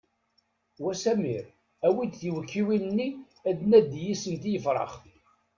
Wa Samir awi-d tiwekkiwin-nni ad nandi yis-sent i yefrax!